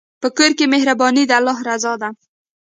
په کور کې مهرباني د الله رضا ده.